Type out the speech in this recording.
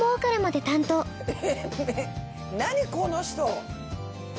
何この人。